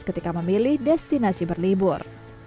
ketika memilih destinasi berlibur